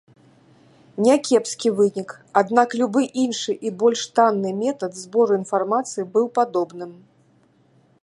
Някепскі вынік, аднак любы іншы і больш танны метад збору інфармацыі быў падобным.